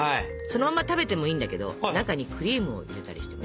そのまま食べてもいいんだけど中にクリームを入れたりして。